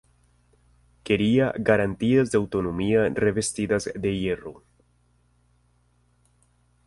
Quería "garantías de autonomía revestidas de hierro".